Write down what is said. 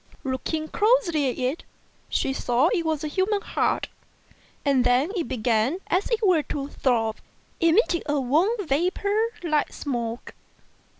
Looking closely at it, she saw it was a human heart; and then it began as it were to throb, emitting a warm vapour like smoke.